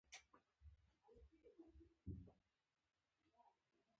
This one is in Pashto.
د لیکلو او شریکولو هڅه کوم.